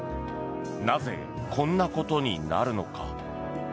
なぜ、こんなことになるのか？